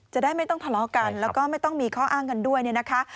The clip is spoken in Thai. จะได้ไม่ต้องทะเลาะกันแล้วก็ไม่ต้องมีข้ออ้างกันด้วยเนี่ยนะคะ